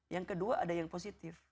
yang kedua ada yang positif